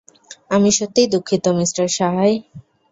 আমি সত্যিই দুঃখিত, মিস্টার সাহায়।